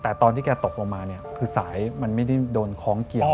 แต่ตอนที่แกตกลงมาเนี่ยคือสายมันไม่ได้โดนคล้องเกี่ยว